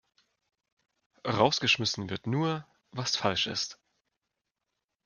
Rausgeschmissen wird nur, was falsch ist.